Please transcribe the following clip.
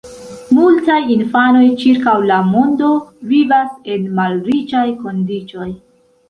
Multaj infanoj ĉirkaŭ la mondo vivas en malriĉaj kondiĉoj.